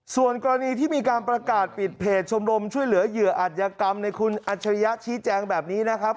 ส่วนกรณีที่มีการประกาศปิดเพจชมรมช่วยเหลือเหยื่ออัธยกรรมในคุณอัจฉริยะชี้แจงแบบนี้นะครับ